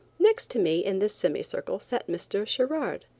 Next to me in this semi circle sat Mr. Sherard.